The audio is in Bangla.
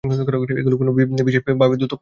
এগুলি কোন বিশেষ ভাবের দ্যোতক নয়।